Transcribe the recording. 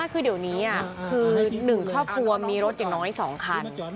คือเดี๋ยวนี้คือ๑ครอบครัวมีรถอย่างน้อย๒คัน